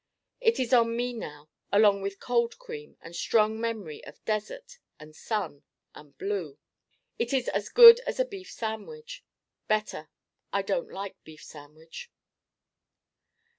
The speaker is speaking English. It is on me now, along with cold cream and strong memory of Desert and Sun and Blue. It is as good as a beef sandwich. Better: I don't like beef sandwich.